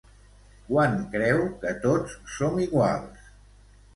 Quan creu que tots som iguals?